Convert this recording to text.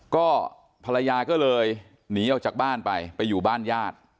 ก็ภรรยาก็เลยหนีออกจากบ้านไปไปอยู่บ้านญาติ